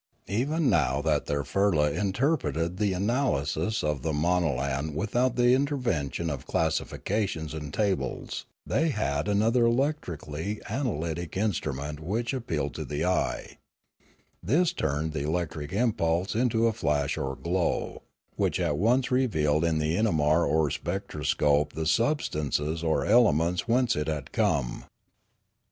Even now that their firla interpreted the analysis of the monalan without the intervention of classifications and tables, they had another electrically analystic instru ment which appealed to the eye; this turned the elec tric impulse into a flash or glow, which at once revealed in the inamar or spectroscope the substances or elements whence it had come.